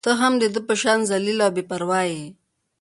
ته هم د ده په شان ذلیله او بې پرواه يې.